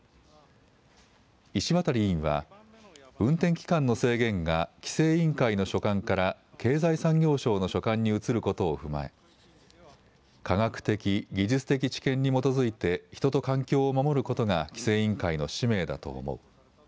石渡委員は運転期間の制限が規制委員会の所管から経済産業省の所管に移ることを踏まえ科学的技術的知見に基づいて人と環境を守ることが規制委員会の使命だと思う。